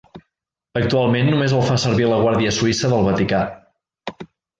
Actualment només el fa servir la Guàrdia suïssa del Vaticà.